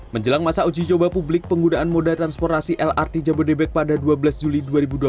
menjelang masa uji coba publik penggunaan moda transportasi lrt jabodebek pada dua belas juli dua ribu dua puluh